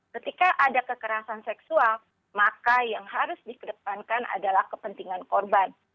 ketika ada kekerasan seksual maka yang harus dikedepankan adalah kepentingan korban